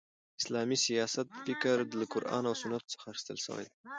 د اسلامی سیاسي فکر له قران او سنتو څخه اخیستل سوی دي.